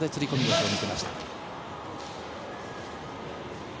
腰を見せました。